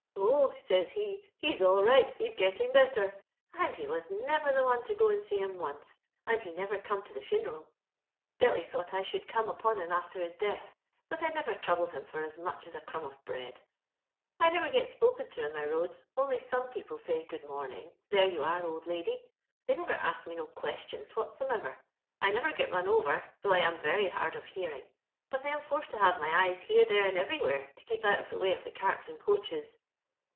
'Oh.' says he, ' he's all right, he's gettin' better ;' and he was never the one to go and see him once ; and he never come to the funeral. *' Billy tliought I shoold come upon him after his death, but I never troubled him for as much as a crumb of bread. I never get spoken to on my roads, only some people say, * Good morning,' * There you are, old lady.' Thoy never asks me no questions whatsomever. I never get run over, though I am very hard of hearing ; but I am forced to have my eyes here, there, and everywhere, to keep out of the way of the carts and coaches.